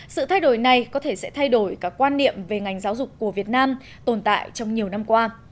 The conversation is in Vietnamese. sự thay đổi này có thể sẽ thay đổi các quan niệm về ngành giáo dục của việt nam tồn tại trong nhiều năm qua